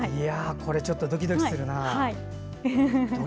これちょっとドキドキするな。